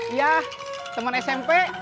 iya temen smp